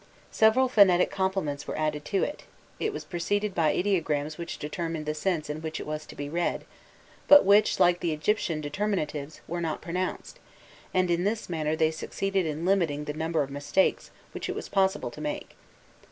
Several phonetic complements were added to it; it was preceded by ideograms which determined the sense in which it was to be read, but which, like the Egyptian determinatives, were not pronounced, and in this manner they succeeded in limiting the number of mistakes which it was possible to make.